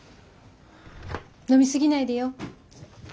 飲み過ぎないでよ。